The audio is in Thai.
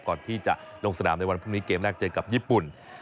ก่อนที่จะลงสนามในวันพรุ่งนี้เกมแรกเจอกับญี่ปุ่น